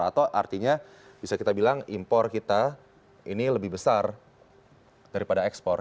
atau artinya bisa kita bilang impor kita ini lebih besar daripada ekspor